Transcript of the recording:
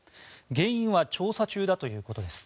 原因は調査中だということです。